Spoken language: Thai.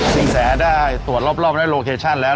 ซีนแสได้ตรวจรอบได้โลเคชันแล้ว